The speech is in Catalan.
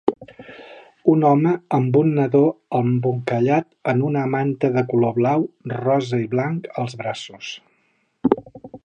Un home amb un nadó embolcallat en una manta de color blau, rosa i blanc als braços.